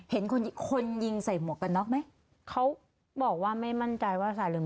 เห็นคนคนยิงใส่หมวกกันน็อกไหมเขาบอกว่าไม่มั่นใจว่าสาลืม